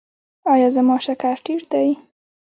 ایا زما شکر ټیټ دی؟